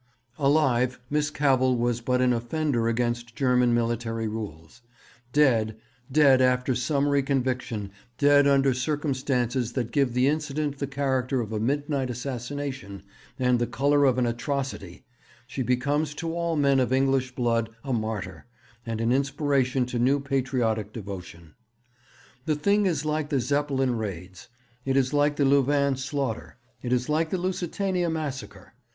_ 'Alive, Miss Cavell was but an offender against German military rules; dead, dead after summary conviction, dead under circumstances that give the incident the character of a midnight assassination and the colour of an atrocity, she becomes to all men of English blood a martyr and an inspiration to new patriotic devotion. 'The thing is like the Zeppelin raids, it is like the Louvain slaughter, it is like the Lusitania massacre.